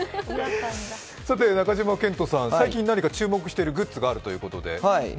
中島健人さん、最近、何か注目しているグッズがあるということで。